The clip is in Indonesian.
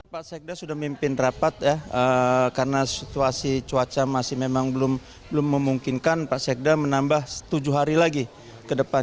pak sekda sudah memimpin rapat ya karena situasi cuaca masih memang belum memungkinkan pak sekda menambah tujuh hari lagi ke depan